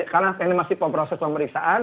karena ini masih proses pemeriksaan